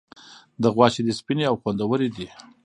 د غوا شیدې سپینې او خوندورې دي.